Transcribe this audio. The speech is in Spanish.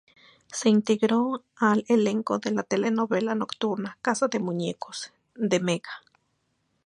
Se integró al elenco de la telenovela nocturna "Casa de muñecos", de Mega.